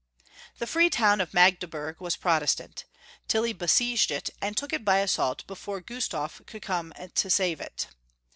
The free town of Magdeburg was Protestant. TiDy besieged it, and took it by assault before Gustaf could come to save it.